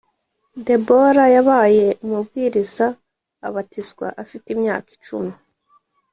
Debora yabaye umubwiriza abatizwa afite imyaka icumi